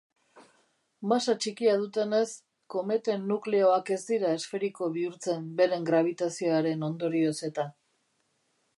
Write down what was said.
Masa txikia dutenez, kometen nukleoak ez dira esferiko bihurtzen beren grabitazioaren ondorioz eta.